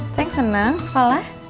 sayang seneng sekolah